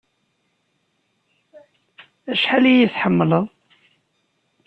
Acḥal ay iyi-tḥemmleḍ?